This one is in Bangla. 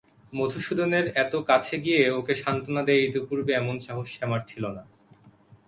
মধুসূদনের এত কাছে গিয়ে ওকে সান্ত্বনা দেয় ইতিপূর্বে এমন সাহস শ্যামার ছিল না।